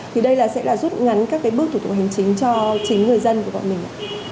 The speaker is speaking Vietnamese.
thì đây là sẽ là rút ngắn các bước thủ tục hành chính cho chính người dân của bọn mình